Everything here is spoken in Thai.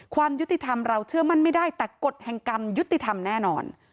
ความยุติธรรมเราเชื่อมั่นไม่ได้แต่กฎแห่งกรรมยุติธรรมแน่นอน